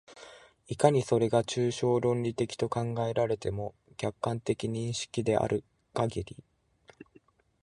いかにそれが抽象論理的と考えられても、客観的認識であるかぎり、